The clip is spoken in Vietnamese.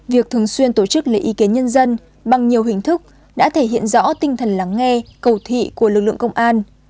việc thường xuyên tổ chức lấy ý kiến nhân dân bằng nhiều hình thức đã thể hiện rõ tinh thần lắng nghe cầu thị của lực lượng công an